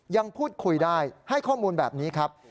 ยังพูดคุยได้ให้ข้อมูลแบบนี้ครับ